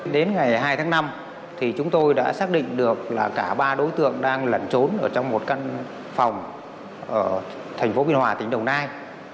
đến ngày hai tháng năm thì chúng tôi đã xác định được là cả ba đối tượng đang lẩn trốn trong một căn phòng ở tp hcm tỉnh đồng nai